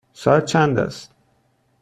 ساعت چند است؟